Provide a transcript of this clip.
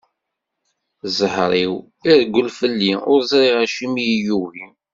Zher-iw, irewwel fell-i, ur ẓriɣ acimi i iyi-yugi.